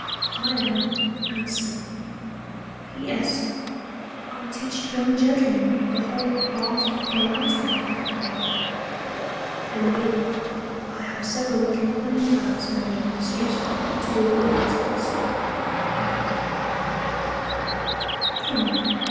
I am, &c. P.S. I teach young Gentlemen the whole Art of Gallanting a Fan. N.B. I have several little plain Fans made for this Use, to avoid Expence. L.